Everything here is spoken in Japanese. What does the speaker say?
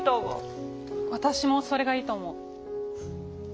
私もそれがいいと思う。